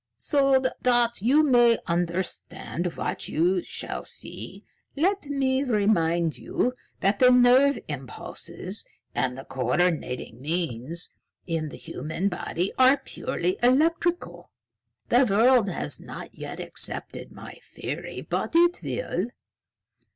"So that you may understand what you shall see, let me remind you that the nerve impulses and the coordinating means in the human body are purely electrical. The world has not yet accepted my theory, but it will.